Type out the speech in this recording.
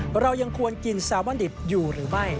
ว่าเรายังควรกินเนื้อปลาแซลมอนดิบอยู่หรือไม่